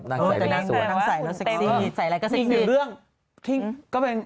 นั่งใส่แล้วน่าสวยนั่งใส่แล้วเซ็กซี่ใส่อะไรก็เซ็กซี่